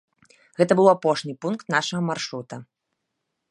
Гэта быў апошні пункт нашага маршрута.